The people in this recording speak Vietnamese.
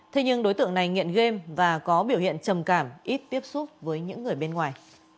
thế nhưng đối tượng này nghiện game và có biểu hiện trầm cảm ít tiếp xúc với những người bên ngoài